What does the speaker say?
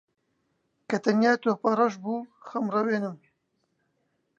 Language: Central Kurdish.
کە تەنیا تۆپەڕەش بوو خەمڕەوێنم